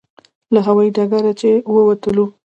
له هوایي ډګره چې ووتلو.